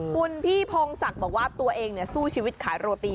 คุณพี่พงศักดิ์บอกว่าตัวเองสู้ชีวิตขายโรตี